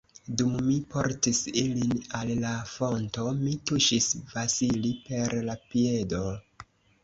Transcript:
Dum mi portis ilin al la fonto, mi tuŝis Vasili per la piedo.